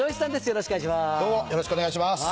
よろしくお願いします。